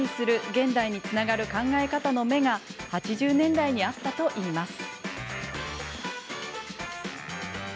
現代につながる考え方の芽が８０年代にあったといいます。